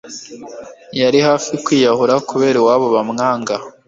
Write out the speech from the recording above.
Yari hafi kwiyahura kubera iwabo bamwanga